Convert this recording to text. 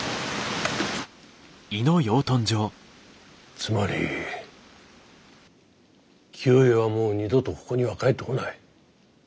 つまり清恵はもう二度とここには帰ってこない。